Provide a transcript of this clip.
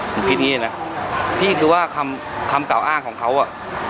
ผมคิดอย่างนี้นะพี่คือว่าคำคำกล่าวอ้างของเขาอ่ะ